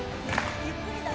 ゆっくりだね。